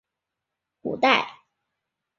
五代名将。